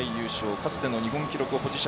かつての日本記録保持者。